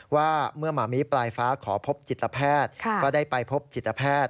ว่าเมื่อหมามีปลายฟ้าขอพบจิตแพทย์ก็ได้ไปพบจิตแพทย์